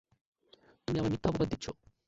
তুমি আমায় মিথ্যা অপবাদ দিচ্ছো।